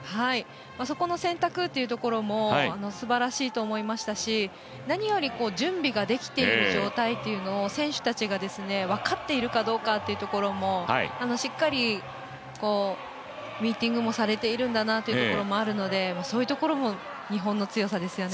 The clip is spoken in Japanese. そこの選択っていうところもすばらしいと思いましたし何より、準備ができている状態というのを選手たちが分かっているかどうかというところもしっかり、ミーティングもされているんだなというところもあるのでそういうところも日本の強さですよね。